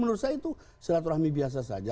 menurut saya itu silaturahmi biasa saja